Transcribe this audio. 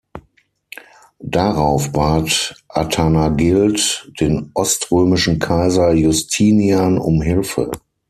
Darauf bat Athanagild den oströmischen Kaiser Justinian um Hilfe.